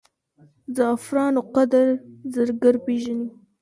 زعفرانو قدر زرګر پېژني.